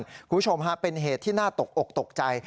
คุณผู้ชมฮะเป็นเหตุที่น่าตกอกตกใจ